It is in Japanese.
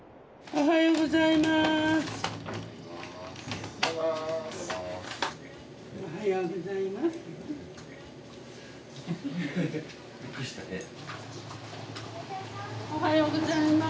おはようございます。